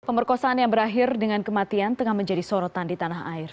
pemerkosaan yang berakhir dengan kematian tengah menjadi sorotan di tanah air